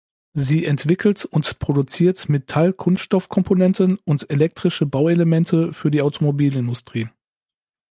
Sie entwickelt und produziert Metall-Kunststoffkomponenten und elektrische Bauelemente für die Automobilindustrie.